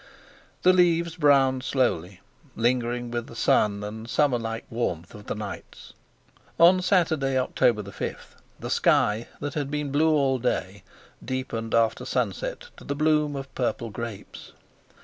The leaves browned slowly, lingering with the sun and summer like warmth of the nights. On Saturday, October 5, the sky that had been blue all day deepened after sunset to the bloom of purple grapes.